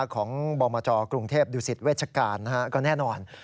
ของบองมจกรุงเทพฯดิวสิทธิ์เวชการก็แน่นอน